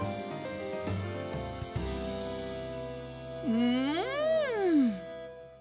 うん。